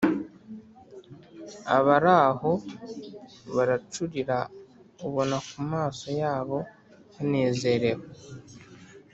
abaraho baracurira ubona kumaso yabo banezerewe.